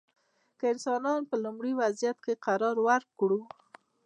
که انسانان په لومړني وضعیت کې قرار ورکړو.